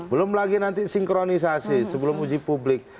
belum lagi nanti sinkronisasi sebelum uji publik